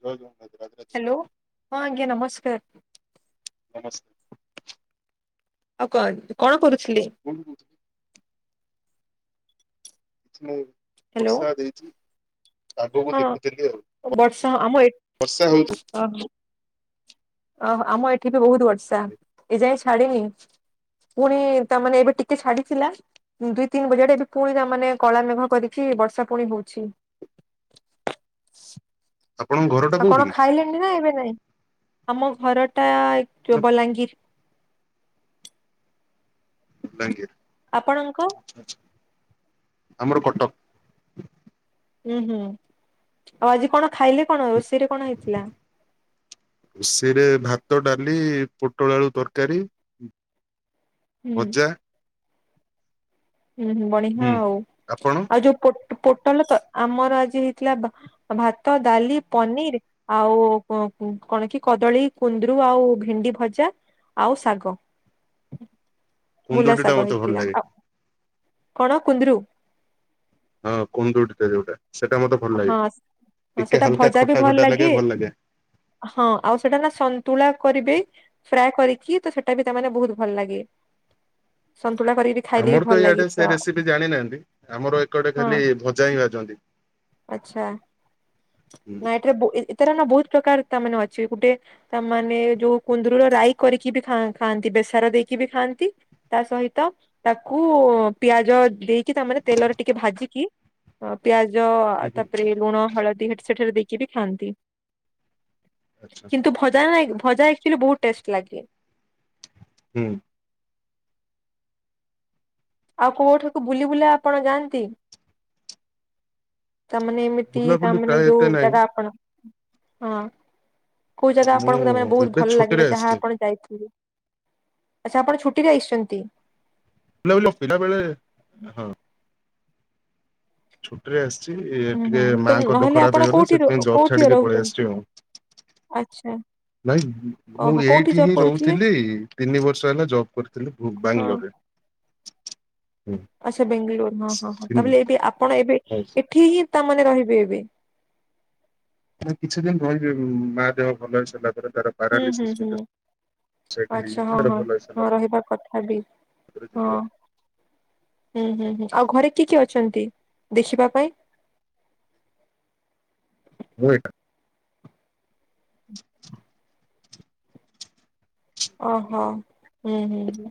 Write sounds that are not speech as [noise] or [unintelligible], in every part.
ଯଉ [inaudible] ହ୍ୟାଲୋ ହଁ ଆଜ୍ଞା ନମସ୍କାର। ନମସ୍କାର। ଆଉ କଣ କଣ କରୁଥିଲେ? ବୁହ [inaudible] ମୁଁ ହ୍ୟାଲୋ ବର୍ଷା ଦେଇଚି। ହଁ ବର୍ଷା ଆମ ଏ ବର୍ଷା ହଉଛି। ହ ଅ ହ ଆମ ଏଠି ବି ବହୁତ ବର୍ଷା ଏ ଯାଏ ଛାଡିନି। ପୁଣି ତାମାନେ ଏବେ ଟିକେ ଛାଡିଥିଲା। ଦୁଇ ତିନି ବଜାଡେ ଏ ଫୁଣି ତା ମାନେ କଳା ମେଘ କରିକି ବର୍ଷା ଫୁଣି ହଉଛି। ଆପଣଙ୍କ ଘର? ଆଉ କଣ ଖାଇଲେଣି ନା ଏବେ ନାଇଁ? ଆମ ଘର ଟା ନା ବଲାଙ୍ଗୀର। ଵଲାଙ୍ଗୀର। ଆପଣଙ୍କ? ଆମର କଟକ। ଉୁଁ ହୁଁ ଆଉ ଆଜି କଣ ଖାଇଲେ କଣ ରୋଷେଇରେ କଣ ହେଇଥିଲା? ରୋଷଇରେ ଭାତ ଡାଲି ପୋଟଳ ଆଳୁ ତରକାରୀ। ହୁଁ ଭଜା। ହୁଁ ହୁଁ ବଢିଆ ଆଉ ଆପଣ? ଆଉ ଯୋଉ ପୋ ପୋଟଳ ତ ଆମର ଆଜି ହେଇଥିଲା ଭାତ ଡାଲି ପନିର। ଆଉ କଁ କୁଁ କଣ କି କଦଳୀ କୁନ୍ଦରୁ ଆଉ ଭେଣ୍ଡି ଭଜା। ଆଉ ଶାଗ। ମୂଲା କୁଣ୍ଡୁରିଟା ଶାଗ ମତେ ଭଲ ହେଇଥିଲା ଲାଗେ। ଆଉ କଣ କୁନ୍ଦରୁ। ହଁ କୁନ୍ଦୁଡି ଟା ଯଉଟା ସେଟା ମତେ ଭଲ ଲାଗେ ହଁ ଟିକେ ସେଟା ହାଲକା ଭଜା ବି ଖଟା ଭଲ ଖଟା ଲାଗେ ଭଲ ଲାଗେ। ହଁ ଆଉ ସେଟା ନା ସନ୍ତୁଳା କରିବେ। ଫ୍ରାଏ କରିକି ତ ସେଟା ବି ତାମାନେେ ବହୁତ ଭଲ ଲାଗେ ସନ୍ତୁଳା କରିକିରି ଆମର ତ ଇଆଡେ ସେ ରେସିପି ଜାଣିନାହାନ୍ତି ଆମର ଏକଡେ ଖାଲି ଭଜା ହିଁ ଭାଜନ୍ତି। ଆଛା ହୁଁ ନାଇଟରେ ବୋ ଏତର ନା ବହୁତ ପ୍ରକାର ତା ମାନେ ଅଛି ଗୁଟେ ତାମାନେ ଯୋଉ କୁନ୍ଦୁରୁ ର ରାଇ କରିକି ବି ଖାଆନ୍ତି ବେସର ଦେଇକି ବି ଖାଆନ୍ତି। ତା ସହିତ ତାକୁ ପିଆଜ ଦେଇକି ତାମାନେ ତେଲରେ ଟିକେ ଭାଜିକି। ଅ ପିଆଜ ହୁଁ ହୁଁ। ତାପରେ ଲୁଣ ହଳଦୀ ହେଠି ସେଠାରେ ଦେଇକି ବି ଖାଆନ୍ତି। ଆଚ୍ଛା କିନ୍ତୁ ଭଜା ନାଇଁକି ଭଜା ଆକଚୁଆଲି ବହୁତ ଟେଷ୍ଟ ଲାଗେ। ହୁଁ। ଆଉ କୋଉଠିକୁ ବୁଲି ବୁଲା ଆପଣ ଯାଆନ୍ତି? ତାମାନେ ଏମିତି ବୁଲାବୁଲି ତାମାନେ ପ୍ରାୟ ଏତେ ଯୋଉ ନାହିଁ। ଜାଗା ଆପଣ ହଁ। କୋଉ ଜାଗା ମୁଁ ଆପଣଙ୍କୁ ତା ମାନେ ବହୁତ ଏବେ ଭଲ ଛୁଟିରେ ଲାଗିଲା ଆସିଛି ଯାହା ଆପଣ ଯାଇଥିବେ। ଆଚ୍ଛା ଆପଣ ଛୁଟିରେ ଆସିଛନ୍ତି? ବି ଲ [inaudible] ପିିଲା ବେଳେ ହଁ ଛୁଟିରେ ଆସିଛି ଏ ହୁଁ ହୁଁ ତ ନହେଲେ ଆପଣ କୋଉଠି ଜବ୍ କୋଉଠି ଛାଡିକି ପଳେଇ ଆସିଛି ରହୁଛନ୍ତି ଆଉ। ଆଛା। ନାଇଁ ମୁଁ ଏଇଠି ହିଁ ରହୁଥିଲି ତିନି ବର୍ଷ ହେଲା ଜବ୍ କରିଥିଲି ହଁ ବାଙ୍ଗଲୋରରେ। ହୁଁ। ଆଚ୍ଛା ବେଙ୍ଗାଲୋର ହଁ ହଁ ହଁ ତାବେଲେ ଏବେ ଆପଣ ଏବେ ଏଠି ହିଁ ତାମାନେ ରହିବେ ଏବେ। ମୁଁ କିଛି ଦିନ ରହିବି ମା ଦେହ ଭଲ ହେଇସାରିଲା ପରେ ତାର ହୁଁ ହୁଁ ପାରାଲିସିସ୍ ହୁଁ ଗୋଟେ ସେଟ୍ ହେଇଯାଇଛି ଆଚ୍ଛା ହଁ ତାର ହଁ ଭଲ ହେଇସାରିଲା ହଁ ରହିବା କଥା ବି ପରେ ଯିବି ହଁ। ଆଉ। ହୁଁ ହୁଁ ହୁଁ ଆଉ ଘରେ କିଏ କିଏ ଅଛନ୍ତି ଦେଖିବା ପାଇଁ? ମୁଁ ଏକା ଓହୋ ହୁଁ ହୁଁ ହୁଁ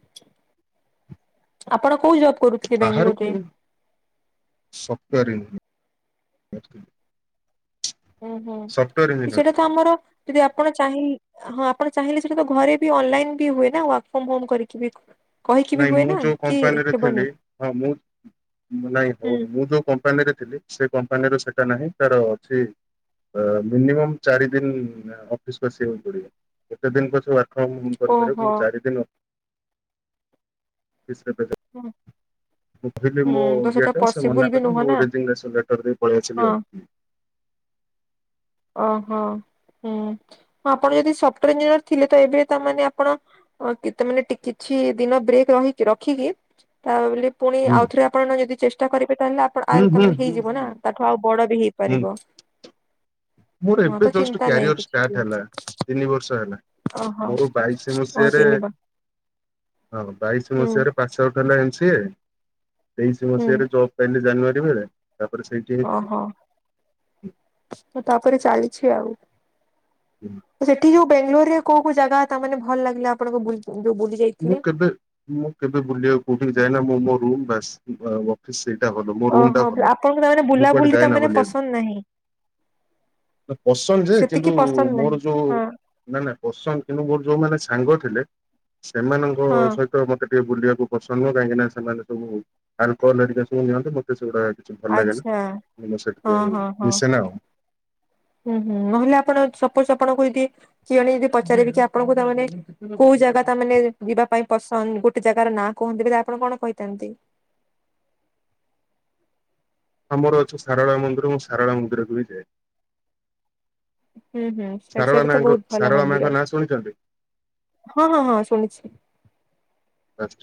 ଆପଣ କୋଉ ଜବ କରୁୁ ବାହାରକୁ ସଫ୍ଟୱେର ଇଞ୍ଜିନିୟର [unintelligible] ହୁଁ ହୁଁ ସଫ୍ଟୱେର ଇଞ୍ଜିନିୟର। ସେଇଟା ତ ଆମର ଯଦି ଆପଣ ଚାହିଁ ହଁ ଆପଣ ଚାହିଁଲେ ସେଇଟା ତ ଘରେ ବି ଅନଲାଇନ ବି ହୁଏ ନା ୱାର୍କ ଫ୍ରମ ହୋମ କରିକି ବି କହିକି ବି ନାଇଁ ହୁଏ ମୁଁ ନା ଯୋଉ କି କମ୍ପାନୀରେ ହେବନି ଥିଲି ହଁ ମୁଁ ନାଇଁ ହୁଁ ହୋଉନି ମୁଁ ଯୋଉ କ ମ୍ପାନୀରେ ଥିଲି ସେ କମ୍ପାନୀର ସେଟା ନାହିଁ ତାର ଅଛି। ମିନିମମ୍ ଚାରି ଦିନ ଅଫିସ ବସିବାକୁ ପଡିବ କେତେ ଦିନ ପଛେ କମ୍ କରିପାରିବ ଓହୋ କିନ୍ତୁ ଚାରିଦିନ [unintelligible] ହଁ। ମୁଁ କହିଲି ମୋ ଇଏଟା ସେ ମନା ବି କଲେ ନୁହଁ ମୁଁ ନା ରେଜିଗନେସନ୍ ଲେଟର ଦେଇ ପଳେଇ ହଁ ଆସିଲି ଆଉ। ଓହୋ ହୁଁ ଆପଣ ଯଦି ସଫ୍ଟୱାର ଇଞ୍ଜିନିୟର ଥିଲେ ତ ଏବେ ତାମାନେ ଆପଣ ଅ କିତ ମାନେ କିଛି ଦିନ ବ୍ରେକ୍ ରହିକି ରଖିକି ତା ବୋଲି ପୁଣି ହୁଁ ଆଉଥରେ ଆପଣ ଯଦି ଚେଷ୍ଟା କରିବେ ତାହେଲେ ଆପଣ ହୁଁ ଆଉ ହୁଁ ତାେ ହୁଁ ହେଇଯିବ ହୁଁ ନା ତାଠୁ ଆଉ ବଡ ବି ହୁଁ ହେଇପାରିବ। ମୋର ହଁ ଏବେ ତ ଜଷ୍ଟ ଚିନ୍ତା ନାହିଁ କ୍ୟାରିୟର କିଛି ବି ଷ୍ଟାର୍ଟ ହେଲା ତିନି ବର୍ଷ ହେଲା। ଓହୋ ମୋର ବାଇଶି ଓ ମସିହାରେ ତିନି ବା ହଁ ବାଇଶି ହୁଁ ମସିହାରେ ପାସ [unintelligible] ତେଇଶି ହୁଁ ମସିହାରେ ଜବ ପାଇଲି ଜାନୁଆରୀରେ ତାପରେ ସେଇଠି ହେଇଥିଲି। ଓହୋ ତାପରେ ଚାଲିଛି ଆଉ। ହୁଁ। ସେଠି ଯୋଉ ବେଙ୍ଗଲୋରରେ କୋଉ କୋଉ ଜାଗା ତା ମାନେ ଭଲ ଲାଗିଲା ଆପଣଙ୍କୁ ବୁଲି ବୁଲି ମୁଁ ଯାଇଥିଲେ? କେବେ ମୁଁ କେବେ ବୁଲିବାକୁ କୋଉଠିକି ଯାଏନା ମୁଁ ମୋ ରୁମ୍ ବାସ୍। ଅଫିସ ସେଇଟା ଭଲ ମୋ ରୁମ୍ ଟା ଓହୋ ଭଲ ଆପଣଙ୍କୁ ତାମାନେ ମୁଁ କୁଆଡେ ବୁଲାବୁଲି ଯାଏନା ତାମାନେ ବୁଲିବାକୁ। ପସନ୍ଦ ନାହିଁ ପସନ୍ଦ ଯେ କିନ୍ତୁ ସେତିକି ପସନ୍ଦ ନାହିଁ ମୋର ଯୋଉ ହଁ ନା ନା ପସନ୍ଦ କିନ୍ତୁ ମୋର ଯୋଉମାନେ ସାଙ୍ଗ ଥିଲେ ସେମାନଙ୍କ ହଁ ସହି ତ ମୋତେ ଟିକେ ବୁଲିବାକୁ ପସନ୍ଦ ନୁହଁ କାହିଁକିନା ସେମାନେ ସବୁ ଆଲକହଲ ହେରିକା ସବୁ ନିଅନ୍ତି ମୋତେ ସେଗୁଡାକ କି ଭଲ ଲାଗେନା ଆଚ୍ଛା ମୁଁ ଇନୋସେଣ୍ଟ ହଁ ପାଇଁ ହଁ ହଁ ମିଶେନା ଆଉ। ହୁଁ ହୁଁ ନହେଲେ ଆପଣ ସପୋଜ ଆପଣଙ୍କୁ ଯଦି କିଏଣେ ଯଦି ପଚାରିବି କି ଆପଣଙ୍କୁ ତାମାନେ କୋଉ ଜାଗା ତା ମାନେ ଯିବା ପାଇଁ ପସନ୍ଦ। ଗୋଟେ ଜାଗାର ନାଁ କୁହନ୍ତି ଆପଣ କଣ କହିଥାନ୍ତି? ହଁ ଆମର ଅଛି ସାରଳା ମନ୍ଦିର ମୁଁ ସାରଳା ମନ୍ଦିରକୁ ବି ଯାଏ। ହୁଁ ହୁଁ ଶାରଳା ସେ-ସେଇଟା ତ ମାଙ୍କ ବୋହୁତ ଭଲ ଶାରଳା ମାଙ୍କ ମନ୍ଦିର। ନାଁ ଶୁଣିଛନ୍ତି ହଁ ହଁ ହଁ ଶୁଣିଚି।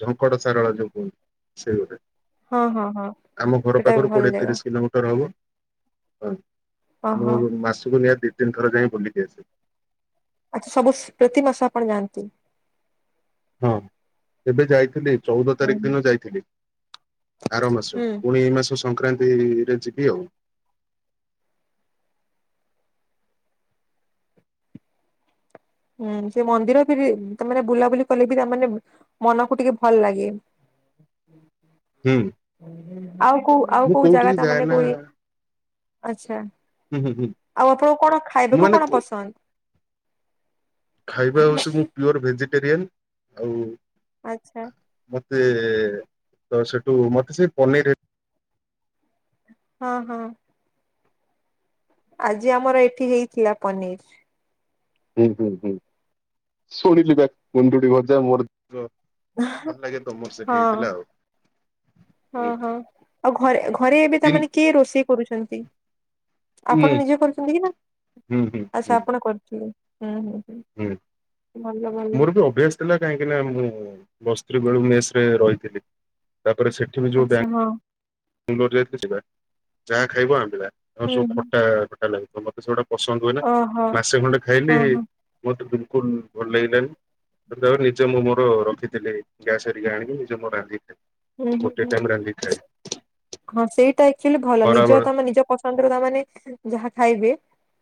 ଝଙ୍କଡ ସାରଳା ଯୋଉ କୁହନ୍ତି ସେ ଗୋଟେ। ହଁ ହଁ ହଁ ଆମ ଘର ସେଟା ବି ପାଖରୁ ଭଲ କୋଡିଏ ଜାଗା ତିରିଶ କିଲୋମିଟର ହବ। ହଁ ଓହୋ ମୁଁ ମାସକୁ ନିହାଆ ଦି ତିନି ଥର ଯାଇ ବୁଲିକି ଆସେ। ଆଚ୍ଛା ସବୁ ପ୍ରତି ମାସ ଆପଣ ଜାଆନ୍ତି? ହଁ ଏବେ ଯାଇଥିଲି। ଚଉଦ ହୁଁ ତାରିଖ ଦିନ ଯାଇଥିଲି ଆର ମାସ ହୁଁ ପୁଣି ଏଇ ମାସ ସଂକ୍ରାନ୍ତିରେ ଯିବି ଆଉ। ହୁଁ ସେ ମନ୍ଦିର ଫିରି ତାମାନେ ବୁଲାବୁଲି କଲେ ବି ତାମାନେ ମନକୁ ଟିକେ ଭଲ ଲାଗେ। ହୁଁ। ଆଉ କୋଉ ଆଉ ମୁଁ କୋଉ ଜାଗା କୋଉଠିକି ଯାଏ ତାମାନେ ନା କୋଇ ଆଚ୍ଛା। ହୁଁ ହୁଁ ହୁଁ। ଆଉ ଆପଣଙ୍କୁ କଣ ମୁଁ ଖାଇବାକୁ ମାନେ କଣ କୋ ପସନ୍ଦ? ଖାଇବା ହୋଉଚି ମୁଁ ପିଓର ଭେଜିଟେରିଆନ ଆଉ ଆଚ୍ଛା ମତେ ତ ସେଠୁ ମତେ ସେ ପନିର ହଁ ହଁ। ଆଜି ଆମର ଏଠି ହେଇଥିଲା ପନିର। ହୁଁ ହୁଁ ହୁଁ ଶୁଣିଲି ପା କେମିତି ଗୋଟେ ଗଜା ମୋର ତ ଭଲ ଲାଗେ ତମର ହଁ ସେଠି ହେଇଥିଲା ଆଉ। ହଁ ହଁ ଆଉ ଘରେ ଘରେ ଏବେ ତିନ ତାମାନେ କିଏ ରୋଷେଇ କରୁଛନ୍ତି। ମୁଁ ଆପଣ ନିଜେ କରୁଛନ୍ତି କି ନା ହୁଁ ହୁଁ ହୁଁ ଆଚ୍ଛା ଆପଣ କରୁଥୁଲେ। ହୁଁ ହୁଁ ହୁଁ। ହୁଁ ଭଲ ଭଲ ମୋର ବି ଅଭ୍ୟାସ୍ ଥିଲା କାହିଁକି ନା ମୁଁ ପ୍ଲସ ଥ୍ରି ବେଳୁ ମେସରେ ରହିଥିଲି ତାପରେ ସେଠ ଆଚ୍ଛା ହଁ। ସୁନ୍ଦର ଯାଇଥିଲି ସେଇପା ଯାହା ଖାଇବ ଆମ୍ବିଳା ନହଲେ ହୁଁ ସବୁ ହୁଁ ଖଟା ଖଟା ଲାଗିଥିବ ମତେ ସେଗୁଡା ପସନ୍ଦ ହୁଏନା ଓହୋ ମାସେ ଖଣ୍ଡେ ହଁ ଖାଇଲି ହଁ ମତେ ବିଲକୁଲ ଭଲ ଲାଗିଲାନି। ତାପରେ ନିଜ ମୁଁ ମୋର ରଖିଥିଲି ଗ୍ୟାସ ହରିକା ଆଣିକି ନିଜେ ମୁଁ ରାନ୍ଧି ଖା ହୁଁ ହୁଁ ହୁଁ ହଁ ସେଇଟା ଏକଚୋଲି ଭଲ ନିଜ ଖରାବେଳେ ତମେ ନିଜ ପସ୍ ସନ୍ଦରେ ଦବନି ଯାହା ଖାଇବେ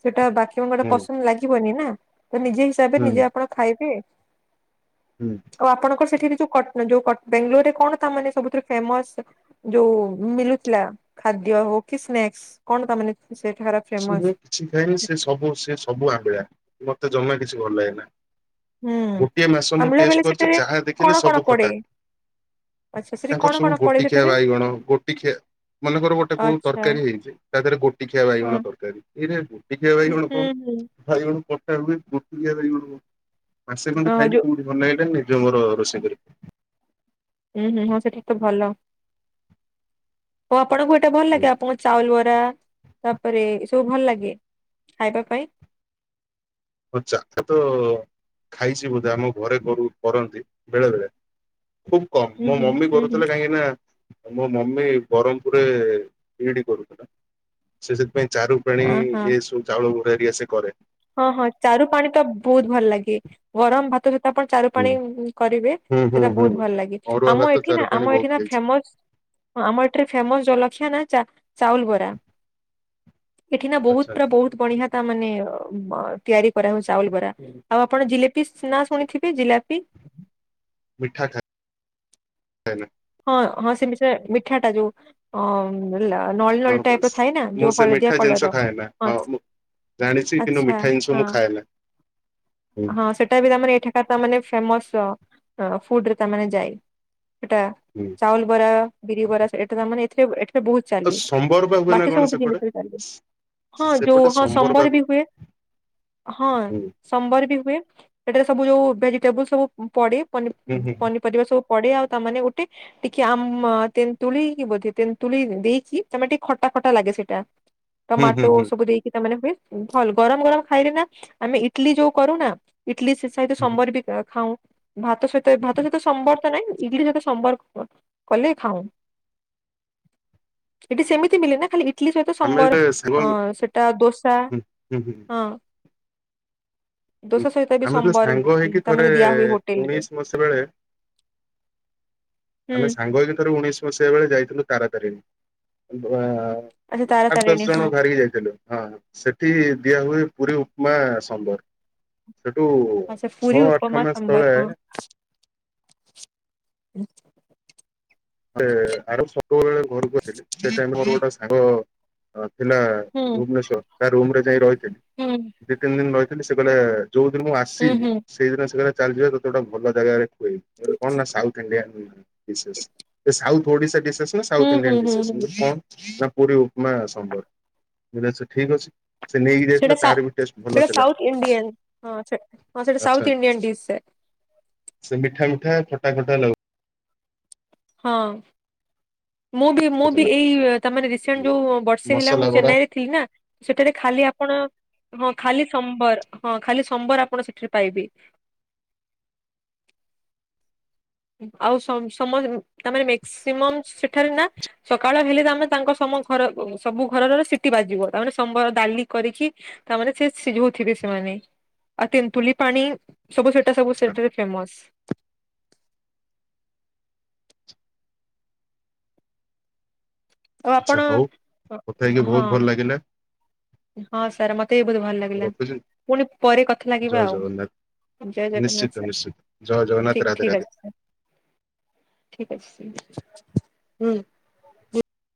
ସେଇଟା ବାକିବଙ୍କର ହୁଁ ପସନ୍ଦ ଲାଗିବନି ନା ତ ନିଜେ ହିଁ ସେ ତେବେ ହୁଁ ନିଜେ ଆପଣ ଖାଇବେ। ହୁଁ। ଆଉ ଆପଣଙ୍କର ସେଠି ବି ଯୋଉ କ ଯୋଉ କ ବେଙ୍ଗଲୋରରେ କଣ ତାମାନେ ସବୁଥିରେ ଫେମସ ଯୋଉ ମିଲୁଥିଲା ଖାଦ୍ୟ ହୋଉ କି ସ୍ନେକ୍ସ କଣ ତାମାନେେ ସେଠାକାର କିଛି ମାନେ କିଛି ଖାଇନି ସେ ସବୁ ସେ ସବୁ ଆମ୍ବିଳା ମତେ ଜମା କିଛି ଭଲ ଲାଗେନା। ହୁଁ ଗୋଟିଏ ମାସ ମୁଁ ଆମଲା ଟେଷ୍ଟ ବେଳେ କରିଚି ସେଠାରେ ଯାହା ଦେଖିଲି କଣ କଣ ସବୁ ଖଟା। ପଡେ ଆଚ୍ଛା ସେଠି ତାଙ୍କର କଣ ସବୁ କଣ ପଡେ ଗୋଟି ଖିଆ ସେଠାରେ ବାଇଗଣ ଗୋଟି ଖିଆ ମନେକର ଗୋଟେ କୋଉ ଆଚ୍ଛା ତରକାରୀ ହେଇଛି ତା ଦେହରେ ଗୋଟି ଖିଆ ହଁ ବାଇଗଣ ସରକାରୀ ଏଇରା ଗୋଟିକିଆ ହୁଁ ବାଇଗଣ ହୁଁ କଣ ବାଇଗଣ କଟା ହୁଏ ଗୋଟିକିଆ ବାଇଗଣ କଣ। ମାସେ ଖଣ୍ଡେ ହଁ ଖାଇଲି ଯୋଉ କୋଉଠି ଭଲ ଲାଗିଲାନି ନିଜ ମୋର ରୋଷେଇ କରି ହୁଁ ହୁଁ ହଁ ସେଠିକି ତ ଭଲ ହୋଉ ଆପଣଙ୍କୁ ଏଇଟା ଭଲ ଲାଗେ ଆପଣ ଚାଉଲ ବରା ତାପରେ ଏ ସବୁ ଭଲ ଲାଗେ ଖାଇବା ପାଇଁ? ହଁ ଚାହା ତ ଖାଇଚି ବୋଧେ ଆମ ଘରେ କରୁ କରନ୍ତି ବେଳେ ବେଳେ। ଖୁବ କମ ହୁଁ ମୋ ହୁଁ ମମି ହୁଁ ହୁଁ କରୁଥିଲେ କାହିଁକିନା ମୋ ମମି ବରମପୁରେ ବିଇଡି କରୁଥୁଲା ସେ ସେଥିପାଇଁ ଚାରୁ ପାଣି ଅ ହଁ ଏ ସବୁ ଚାଉଳ ଗୁଡ ହରିକା ସିଏ କରେ। ହଁ ହଁ ଚାରୁ ପାଣି ତ ବୋହୁତ ଭଲ ଲାଗେ ଗରମ ଭାତ ସହିତ ଆପଣ ଚାରୁ ହୁଁ ପାଣି କରିବେ ହୁଁ ସେଟା ହୁଁ ବୋହୁତ ଭଲ ଲାଗେ ଅରୁଆ ଭାତ ଆମ ଏଠି ଚାରୁ ନା ପାଣି ଆମ ବହୁତ ଏଠି ନା ଖାଇଛି ଫେମସ୍ ହଁ ଆମର ଏଠିରେ ଫେମସ ଜଲଖିଆ ନା ଚା ଚାଉଲ ବରା। ଏଠି ନା ବୋହୁତ ପୁରା ଆଚ୍ଛା। ବୋହୁତ ବଢିଆ ତାମାନେ ଅ ବ ତିଆରି କରା ହୁଉ ଚାଉଲ ବରା ଆଉ ଆପଣ ଜିଲାପି ନାଁ ଶୁନିଥିବେ ଜିଲାପି। ମିଠା ଖାଇ ହେଲା ହଁ ହଁ ସେମିତି ସେ ମିଠାଟା ଯୋଉ ଓ ଲା ନଳି ହଁ ନଳି ବାସ୍। ଟାଇପର ଥଏ ନା ମୁଁ ଯୋଉ ସେ ହଳଦିଆ ମିଠା ଜିନିଷ କଲରର? ଖାଏନା ହଁ ମୁଁ ଜାଣିଛି କିନ୍ତୁ ମିଠା ଜିନିଷ ମୁଁ ଖାଏନା। ହୁଁ ହଁ ସେଟା ବି ତାମାନେ ଏଠାକାର ତାମାନେ ଫେମସ ଅ ଫୁଡରେ ତାନେ ଯାଏ ଏଟା ହୁଁ। ଚାଉଲ ବରା, ବିରି ବରା ସେ ଏଟା ତାମାନେ ଏଥିରେ ଅ ଏଟା ବୋହୁତ ଆଉ ଚାଲି ସମ୍ବର ବା ହୁଏ ନା ବାକି କଣ ସବୁ ବି ଜିନିଷ ସେପଟେ? ବି ଚାଲି। ହଁ ଯୋଉ ସେପଟେ ହଁ ବା ସମ୍ବର ହୁଁ ବି ହୁଏ ହଁ। ସମ୍ବର ବି ହୁଏ ଏଠାରେ ସବୁ ଯୋଉ ଭେଜିଟେବୁଲ ସବୁ ପଡେ ପନି ହୁଁ ହୁଁ ପନି ପରିବା ସବୁ ପଡେ ଆଉ ତାମାନେ ଗୋଟେ ଟିକେ ଆମ ତେନ୍ତୁଳି କି ବୋଧେ ତେନ୍ତୁଳି ଦେଇକି ତମେ ଟିକେ ଖଟା ଖଟା ଲାଗେ ସେଇଟା। ହଁ ଟମାଟୋ ସବୁ ଦେଇକି ତାମାନେ ହୁଏ ଭଲ ଗରମ ଗରମ ଖାଇଲେ ନା ଆମେ ଇଟଲି ଯୋଉ କରୁନା ଇଟଲି ସେ ସହିତ ହୁଁ ସମ୍ବର ବି ଏ ଖାଉଁ ଭାତ ସହିତଣଏ ଭାତ ସହିତ ସମ୍ବର ତ ନାଇଁ ଇଡଲି ସହିତ ସମ୍ବର୍ କ କଲେ ଖାଉଁ। ଏଠି ସେମିତି ମିଲେ ନା ଖାଲି ଇଟଲିି ସହିତ ଆମେ ସମ୍ବର ଯେତେବେଳେ ସାଙ୍ଗ ହୁଁ ଅଁ ସେଟା ଦୋସା ହୁଁ ହୁଁ। ହଁ। ହୁଁ ଦୋଶା ସହିତ। ବି ଆମେ ଯୋଉ ସମ୍ବର ସାଙ୍ଗ ହେଇକି ଥରେ ତାମାନେ ଦିଆ ହୁଏ ହୋଟେଲ ରେ ଉଣେଇଶି ମସିହା ବେଳେ। ହୁଁ ଆମେ ସାଙ୍ଗ ହେଇକି ଥରେ ଉଣେଇଶ। ମସିହା ବେଳେ ଯାଇଥିଲୁ ତାର ତାରିଣ ଆ ଆଚ୍ଛା ତାରା ଆଠ ତାରିଣୀ ଦଶ ହଁ ଜଣ ବାହାରିକି ଯାଇଥିଲୁ। ହଁ ସେଠି ଦିଆ ହୁଏ ପୁରୀ ଉପମା ସମ୍ବର। ସେଉଟୁ। ହଁ ସେ ପୁରୀ ଉପମା ସମ୍ବର ହଁ। ସେ ଆର ସବୁବେଳେ ଘରକୁ ଥିଲି ସେଟାଇମ ରେ ମୋର ଗୋଟା ସାଙ୍ଗ ଥିଲା। ହୁଁ। ଭୁବନେଶ୍ଵର ତା ରୁମ ରେ ଯାଇ ରହିଥିଲି। ହୁଁ। ଦି ତିନି ଦିନ ରହିଥିଲି ସେ କଇଲେ ଯୋଉ ଦିନ ମୁଁ ହୁଁ ଆସିଲା। ହୁଁ ସେଇଦିନ ସେ‌ କହିଲା ଚାଲିଯିବା ତତେ ଗୋଟେ ଭଲ ଜାଗାରେ ଖୁଏଇବି ମୁଁ କହିଲି କଣ ନା ସାଉଥ୍ ଇଣ୍ଡିଆନ ଡିସେସ। ସେ ସାଉଥ ଓଡ଼ିଶା ଡିସେସ ନା ହୁଁ ସାଉଥ ହୁଁ ଇଣ୍ଡିଆନ ହୁଁ ଡିସେସ ମୁଁ ହୁଁ କଇଲି କଣ। ନା ପୁରୀ ଉପମା ସମ୍ବର ମୁଁ କଇଲି ଆଛା ଠିକ ଅଛି। ସେ ନେଇକି ସେଟା ଯାଇଥିଲା ସା ତାର ବି ଟେଷ୍ଟ ଭଲ ସେଟା ଥିଲା ସାଉଥ ଇଣ୍ଡିଆନ ହଁ ସେଟା ଆଚ୍ଛା ସାଉଥ ଇଣ୍ଡିଆନ୍ ଡିସ୍। ସେ ମିଠା ମିଠା ଖଟା ଖଟା ଲାଗୁ ହଁ। ମୁଁ ବି ମୁଁ ବି ଲାଗୁଥିଲା ଏଇ ତମରି ରିସେଣ୍ଟ ଯୋଉ ବର୍ଷେ ହେଲା ମସଲା ମୁଁ ବରା ଚେନ୍ନାଇ ରେ ଥିଲି ନା। ସେଠାରେ ଖାଲି ଆପଣ ହଁ ଖାଲି ସମ୍ବର ହଁ ଖାଲି ସମ୍ବର ଆପଣ ସେଠାରେ ପାଇବେ। ଆଉ ସମ ସମ ତମର ମେକ୍ସିମମ୍ ସେଠାରେ ନା। ସକାଳ ହେଲେ ତାନେ ତାଙ୍କ ସମ ଘର ସବୁ ଘରର ସିଟି ବାଜିବ ତାମାନେ ସମ୍ବର ଡାଲି କରିକି। ତାମାନେ ସେ ସିଝଉଥିବେ ସେମାନେ। ଆଉ ତେନ୍ତୁଲି ପାଣି ସବୁ ସେଟା ସବୁ ଆଚ୍ଛା ସେଠାରେ ଫେମସ। ଆଉ ଆଚ୍ଛା ଆପଣ ହଉ ଅଁ କଥା ହେଇକି ବହୁତ ହଁ। ଭଲ ଲାଗିଲା ହଁ ସାର୍ ମତେ ବି ବହୁତ ଭଲ ଲାଗିଲା ରଖୁଛି ପୁଣି ପରେ କଥା ଜୟ ଲାଗିବା ଆଉ‌। ଜଗନ୍ନାଥ ଜୟ ଜଗନ୍ନାଥ ନିଶ୍ଚିତ ସାର୍ ନିଶ୍ଚିତ ଜୟ ଜଗନ୍ନାଥ ଠିକ ରାଧେ ରାଧେ। ଠିକ ଅଛି ସାର୍। ଠିକ ଅଛି ସାର୍ ହୁଁ।